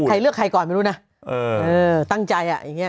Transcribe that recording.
ใครเลือกใครก่อนไม่รู้นะตั้งใจอ่ะอย่างนี้